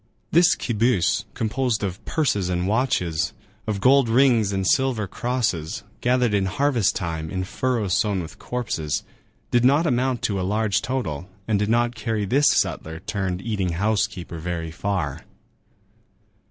This quibus, composed of purses and watches, of gold rings and silver crosses, gathered in harvest time in furrows sown with corpses, did not amount to a large total, and did not carry this sutler turned eating house keeper very far.